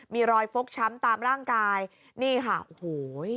มีรอยฟกช้ำตามร่างกายนี่ค่ะโอ้โห